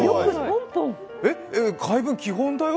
回文基本だよ？